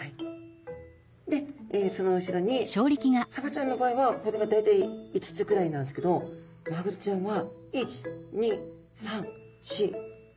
でその後ろにサバちゃんの場合はこれが大体５つくらいなんですけどマグロちゃんは１２３４５６７８９！